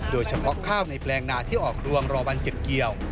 โดยจะบล็อกเข้าในแปลงหนาที่ออกรวงรอวันเก็บเกี่ยว